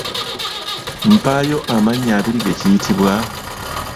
Mpaayo amannya abiri ge kiyitibwa?